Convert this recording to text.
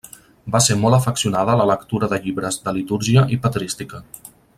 Va ser molt afeccionada a la lectura de llibres de litúrgia i patrística.